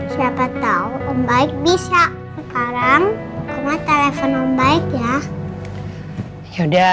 siapa tahu om baik bisa